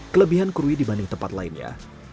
kelebihan krui dibanding tempat lainnya